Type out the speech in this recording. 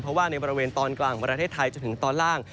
เพราะว่าในบริเวณตอนกลางของประเทศไทยจนถึงตอนล่าง